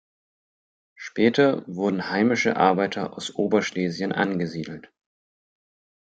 Später wurden heimische Arbeiter aus Oberschlesien angesiedelt.